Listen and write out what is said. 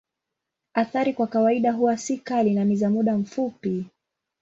Athari kwa kawaida huwa si kali na ni za muda mfupi.